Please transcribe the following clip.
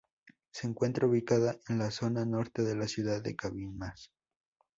Se encuentra ubicada en la zona norte de la ciudad de Cabimas.